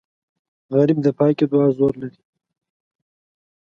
غریب د پاکې دعا زور لري